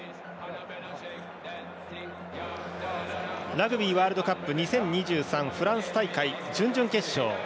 ラグビーワールドカップ２０２３、フランス大会準々決勝。